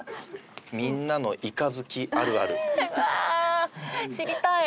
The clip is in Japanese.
「みんなのイカ好きあるある」うわ知りたい。